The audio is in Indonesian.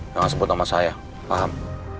jangan sebut nama saya paham